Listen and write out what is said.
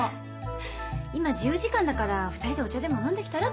今自由時間だから２人でお茶でも飲んできたら？